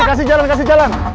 kasih jalan kasih jalan